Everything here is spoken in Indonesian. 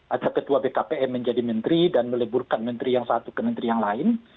atau ketua bkpm menjadi menteri dan meleburkan menteri yang satu ke menteri yang lain